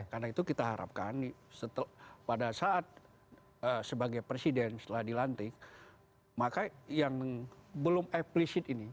karena itu kita harapkan pada saat sebagai presiden setelah dilantik maka yang belum efisien ini